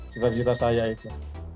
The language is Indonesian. cita cita saya itu